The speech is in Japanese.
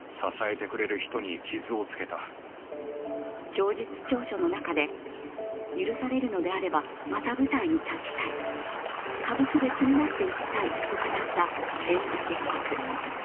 供述調書の中で、許されるのであればまた舞台に立ちたい歌舞伎で償っていきたいと語った猿之助被告。